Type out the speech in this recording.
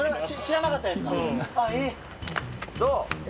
どう？